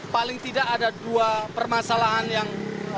paling tidak ada dua permasalahan yang